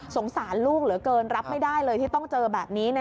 สารลูกเหลือเกินรับไม่ได้เลยที่ต้องเจอแบบนี้